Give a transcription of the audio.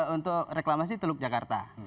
untuk reklamasi teluk jakarta